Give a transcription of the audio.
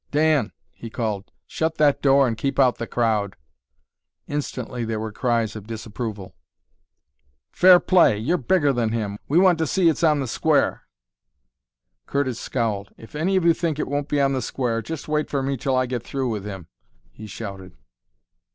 "Dan," he called, "shut that door and keep out the crowd!" Instantly there were cries of disapproval. "Fair play!" "You're bigger than him!" "We want to see it's on the square!" Curtis scowled. "If any of you think it won't be on the square, just wait for me till I get through with him," he shouted.